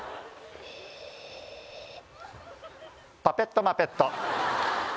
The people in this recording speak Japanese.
「パペットマペット」